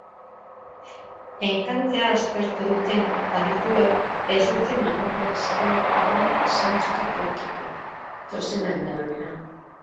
Enkantea aztertu duten adituek ez dute manipulazio horren zantzurik aurkitu, txostenaren arabera.